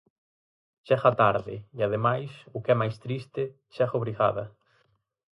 Chega tarde, e ademais, o que é máis triste, chega obrigada.